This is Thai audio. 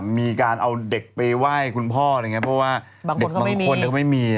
มีการเอาเด็กไปไหว้คุณพ่ออะไรอย่างนี้เพราะว่าเด็กบางคนก็ไม่มี